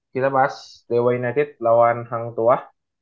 kita bahas dewa united lawan hang tua